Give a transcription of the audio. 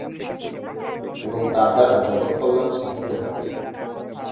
এবং তার দ্বারা জগৎ কল্যাণ সাধিত হবে।